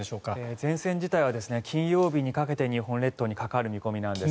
前線自体は金曜日にかけて日本列島にかかる見込みなんです。